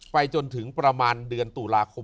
ไปจนถึงประมาณเดือนตุลาคม